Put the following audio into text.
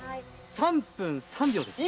３分３秒です。